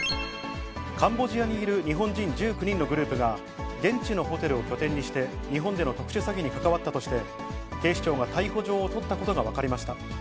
カンボジアにいる日本人１９人のグループが、現地のホテルを拠点にして、日本での特殊詐欺に関わったとして、警視庁が逮捕状を取ったことが分かりました。